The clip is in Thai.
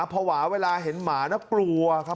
ภาวะเวลาเห็นหมานะกลัวครับ